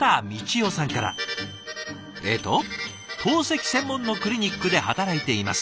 えっと「透析専門のクリニックで働いています。